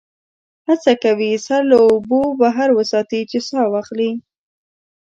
هڅه کوي سر له اوبو بهر وساتي چې سا واخلي.